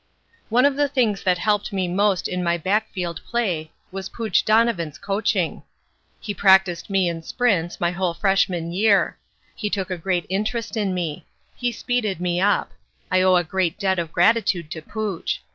"One of the things that helped me most in my backfield play was Pooch Donovan's coaching. He practiced me in sprints, my whole freshman year. He took a great interest in me. He speeded me up. I owe a great debt of gratitude to Pooch.